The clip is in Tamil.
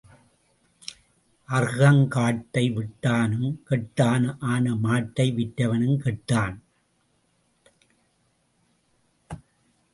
அறுகங் காட்டை விட்டானும் கெட்டான் ஆன மாட்டை விற்றவனும் கெட்டான்.